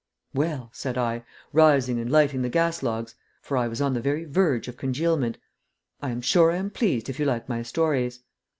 "Well," said I, rising and lighting the gas logs for I was on the very verge of congealment "I am sure I am pleased if you like my stories."